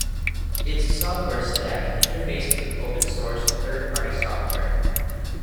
Its software stack interfaces with open source third-party software.